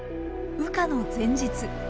羽化の前日。